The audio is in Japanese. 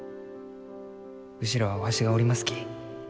後ろはわしがおりますき。